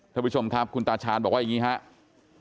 ท่านผู้ชมครับคุณตาชาญบอกว่าอย่างนี้ครับ